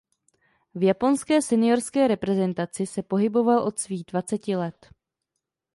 V japonské seniorské reprezentaci se pohyboval od svých dvaceti let.